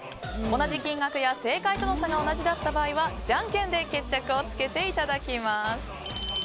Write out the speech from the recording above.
同じ金額や正解との差が同じだった場合はじゃんけんで決着をつけていただきます。